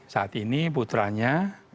saat ini putranya